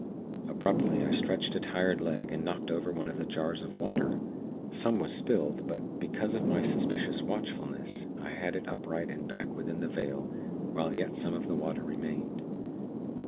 Abruptly, I stretched a tired leg, and knocked over one of the jars of water. Some was spilled; but, because of my suspicious watchfulness, I had it upright and back within the vale while yet some of the water remained.